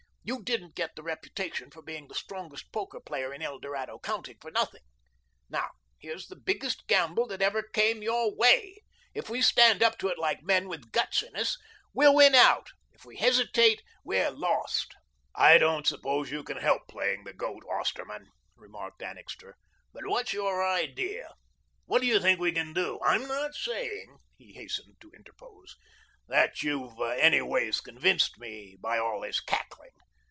You didn't get the reputation of being the strongest poker player in El Dorado County for nothing. Now, here's the biggest gamble that ever came your way. If we stand up to it like men with guts in us, we'll win out. If we hesitate, we're lost." "I don't suppose you can help playing the goat, Osterman," remarked Annixter, "but what's your idea? What do you think we can do? I'm not saying," he hastened to interpose, "that you've anyways convinced me by all this cackling.